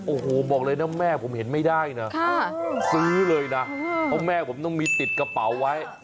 โอ้โหบอกเลยนะแม่ผมเห็นไม่ได้นะซื้อเลยนะเพราะแม่ผมต้องมีติดกระเป๋าไว้